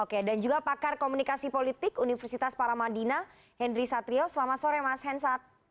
oke dan juga pakar komunikasi politik universitas paramadina henry satrio selamat sore mas hensat